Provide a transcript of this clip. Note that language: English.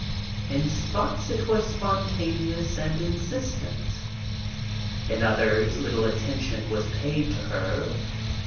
In spots it was spontaneous and insistent. In others little attention was paid to her.